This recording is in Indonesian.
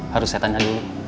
harus saya tanya dulu